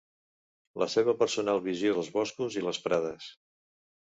La seva personal visió dels boscos i les prades